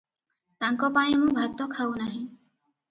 ତାଙ୍କପାଇଁ ମୁଁ ଭାତଖାଉନାହିଁ ।